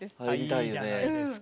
いいじゃないですか。